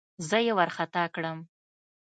زه يې وارخطا کړم.